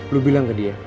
lu bilang ke dia